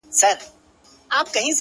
هغه خو دا گراني كيسې نه كوي ـ